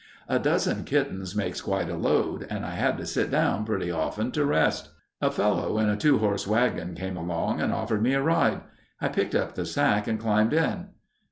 "A dozen kittens makes quite a load and I had to sit down pretty often to rest. A fellow in a two horse wagon came along and offered me a ride. I picked up the sack and climbed in.